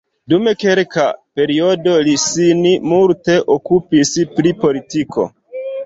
Dum kelka periodo li sin multe okupis pri politiko.